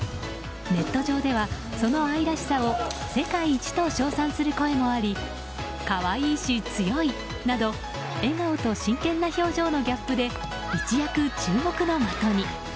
ネット上ではその愛らしさを世界一と称賛する声もあり可愛いし強いなど笑顔と真剣な表情のギャップで一躍注目の的に。